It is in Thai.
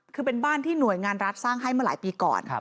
คือเป็นบ้านที่หน่วยงานรัฐสร้างให้เมื่อหลายปีก่อน